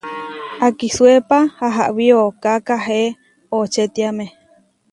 Akisuépa ahawí ooká kahé očetiáme.